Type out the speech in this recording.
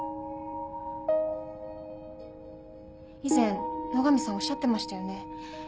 以前野上さんおっしゃってましたよね。